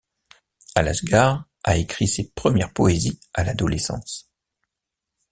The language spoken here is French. Alasgar a écrit ses premières poésies à l'adolescence.